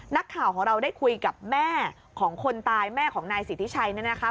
นักข่าวของเราได้คุยกับแม่ของคนตายแม่ของนายสิทธิชัยเนี่ยนะคะ